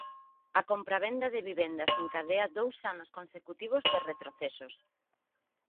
A compravenda de vivendas encadea dous anos consecutivos de retrocesos.